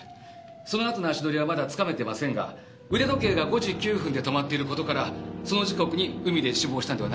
そのあとの足取りはまだつかめてませんが腕時計が５時９分で止まっている事からその時刻に海で死亡したのではないかと思われます。